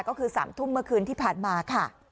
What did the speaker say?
ก็คือ๓ทุ่มเมื่อคืนที่ผ่านมาค่ะ